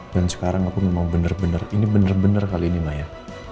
dan sekarang aku memang benar benar ini benar benar kali ini maya